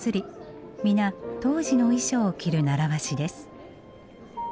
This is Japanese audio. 皆当時の衣装を着る習わしです。